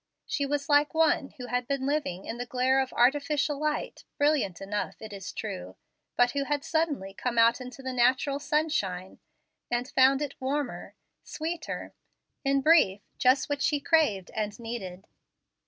She was like one who had been living in the glare of artificial light, brilliant enough, it is true, but who had suddenly come out into the natural sunshine, and found it warmer, sweeter, in brief, just what she craved and needed.